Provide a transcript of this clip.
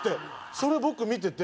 それ僕見てて。